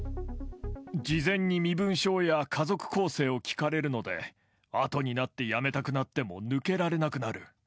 事前に身分証や家族構成を聞かれるので、後になって辞めたくなっても抜けられなくなる。